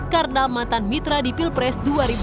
karena mantan mitra di pilpres dua ribu sembilan belas